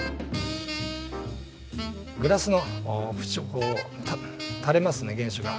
グラスの縁を垂れますね原酒が。